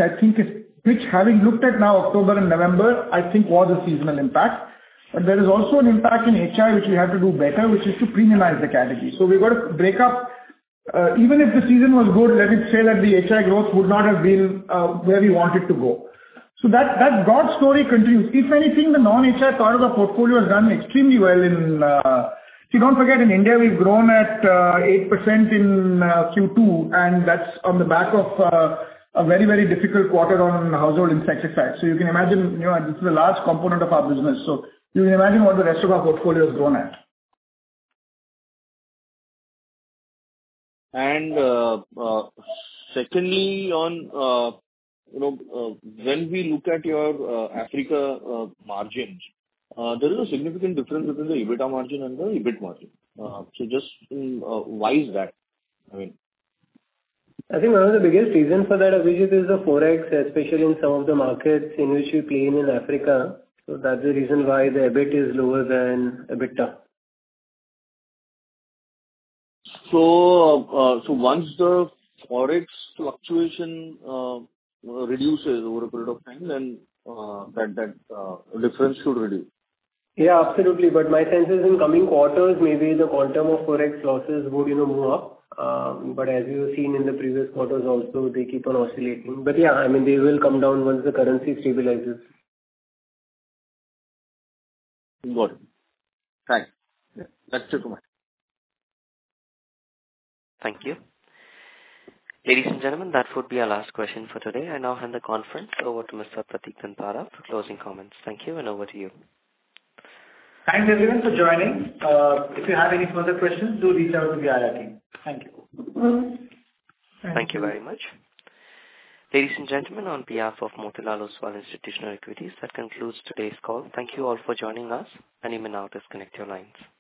having looked at now October and November, I think was a seasonal impact. There is also an impact in HI which we have to do better, which is to premiumize the category. We've got to break up, even if the season was good, let me say that the HI growth would not have been where we want it to go. That broad story continues. If anything, the non-HI part of our portfolio has done extremely well in. See, don't forget, in India, we've grown at 8% in Q2, and that's on the back of a very, very difficult quarter on household insecticides. You can imagine, you know, this is a large component of our business. You can imagine what the rest of our portfolio has grown at. Secondly, on you know, when we look at your Africa margins, there is a significant difference between the EBITDA margin and the EBIT margin. So just why is that? I mean. I think one of the biggest reason for that, Abhijeet, is the Forex, especially in some of the markets in which we play in Africa. That's the reason why the EBIT is lower than EBITDA. Once the Forex fluctuation reduces over a period of time, then that difference should reduce. Yeah, absolutely. My sense is in coming quarters, maybe the quantum of Forex losses would, you know, move up. As you've seen in the previous quarters also, they keep on oscillating. Yeah, I mean, they will come down once the currency stabilizes. Got it. Thanks. That's it. Thank you. Ladies and gentlemen, that would be our last question for today. I now hand the conference over to Mr. Pratik Dantara for closing comments. Thank you, and over to you. Thanks, everyone, for joining. If you have any further questions, do reach out to the IR team. Thank you. Thank you very much. Ladies and gentlemen, on behalf of Motilal Oswal Institutional Equities, that concludes today's call. Thank you all for joining us, and you may now disconnect your lines.